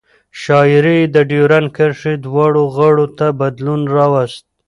شاعري یې د ډیورند کرښې دواړو غاړو ته بدلون راوست.